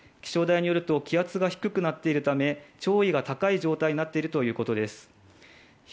気象台によると気圧が低くなっているため、潮位が高い状態になっているということです。